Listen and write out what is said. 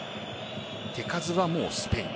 手数はスペイン。